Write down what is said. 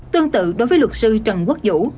tương tự đối với luật sư trần quốc vũ